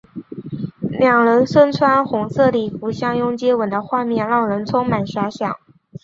两人身穿白色礼服相拥接吻的画面让人充满遐想。